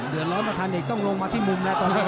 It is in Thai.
เดินร้อนประทานอีกต้องลงมาที่มุมนะตอนนี้